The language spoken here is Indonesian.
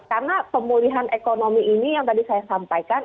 karena pemulihan ekonomi ini yang tadi saya sampaikan